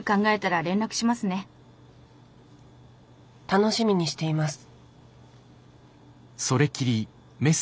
「楽しみにしています」。